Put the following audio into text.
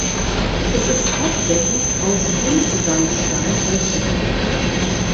Es ist hauptsächlich aus Buntsandstein aufgebaut.